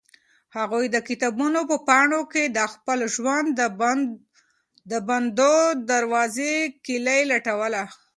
هغوی د کتابونو په پاڼو کې د خپل ژوند د بندو دروازو کیلي لټوله.